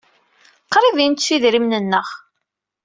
Qrib ay nettu idrimen-nneɣ.